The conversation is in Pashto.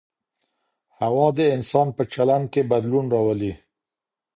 هوا د انسان په چلند کي بدلون راولي.